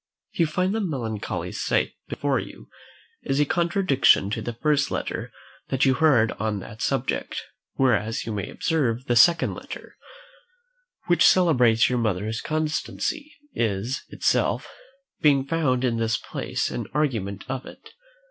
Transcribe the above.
You find the melancholy sight before you is a contradiction to the first letter that you heard on that subject; whereas you may observe, the second letter, which celebrates your mother's constancy, is itself, being found in this place, an argument of it.